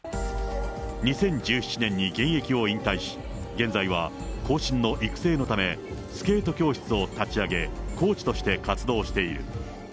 ２０１７年に現役を引退し、現在は後進の育成のため、スケート教室を立ち上げ、コーチとして活動している。